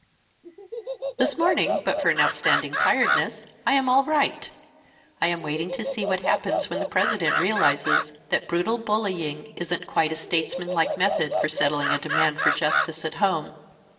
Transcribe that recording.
"This morning but for an astounding tiredness, I am all right. I am waiting to see what happens when the President realizes that brutal bullying isn't quite a statesmanlike method for settling a demand for justice at home.